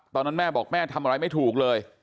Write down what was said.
ตอนนั้นแม่บอกแม่ทำอะไรไม่ถูกเลย